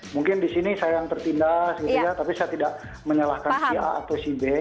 mungkin di sini saya yang tertindas gitu ya tapi saya tidak menyalahkan si a atau si b